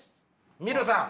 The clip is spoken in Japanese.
ミルさん。